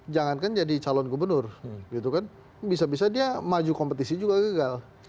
jangankan jadi calon gubernur gitu kan bisa bisa dia maju kompetisi juga gagal